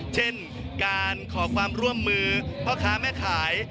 เช่นการขอความร่วมมือพ่อค้าแม่ขาย